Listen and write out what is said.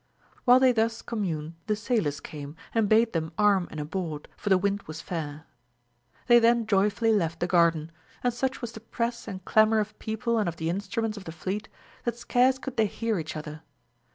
While they thus communed, the sailors came, and bade them arm and aboard, for the wind was fair. AMADIS OF GAUL. 157 They then joyfully left the garden, and such was the press and clamour of people and of the instruments of the fleet, that scarce could they hear each other.